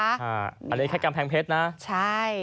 อันนี้แค่กำแพงเพชรนะใช่